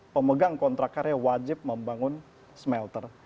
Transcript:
pemegang kontrak karya wajib membangun smelter